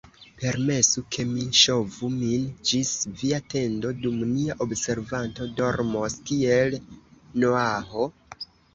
Permesu, ke mi ŝovu min ĝis via tendo, dum nia observanto dormos kiel Noaho.